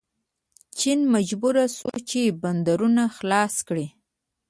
چین مجبور شو چې بندرونه خلاص کړي.